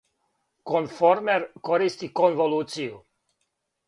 Конформер користи конволуцију.